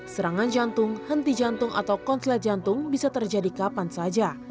serangan jantung henti jantung atau konslet jantung bisa terjadi kapan saja